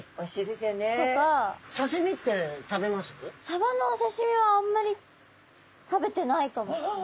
サバのお刺身はあんまり食べてないかも。